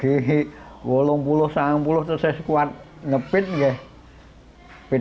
di sekolah sepuluh lima belas saya sekuat berdua